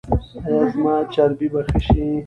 ایا زما چربي به ښه شي؟